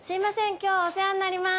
今日お世話になります。